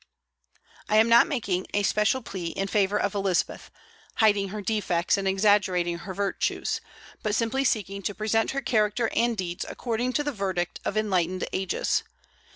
I am not making a special plea in favor of Elizabeth, hiding her defects and exaggerating her virtues, but simply seeking to present her character and deeds according to the verdict of enlightened ages.